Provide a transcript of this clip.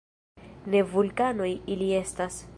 Ne vulkanoj ili estas.